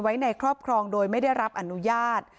ไว้ในครอบครองโดยไม่ได้รับอนุญาต